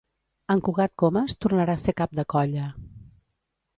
En Cugat Comas tornarà a ser Cap de Colla….